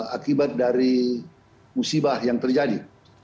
akibat dari musibah yang terjadi